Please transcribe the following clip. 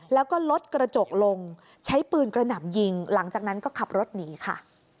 แล้วก็ลดกระจกลงใช้ปืนกระหน่ำยิงหลังจากนั้นก็ขับรถหนีค่ะ